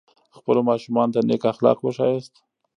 خپلو ماشومانو ته نیک اخلاق وښایاست.